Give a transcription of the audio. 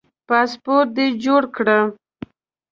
پاسپورټ دي جوړ کړه